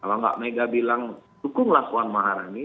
kalau enggak mega bilang tukunglah pak saadi